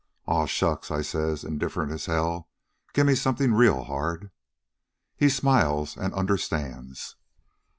"'Aw, shucks,' I says, indifferent as hell. 'Gimme something real hard.' "He smiles an' understands.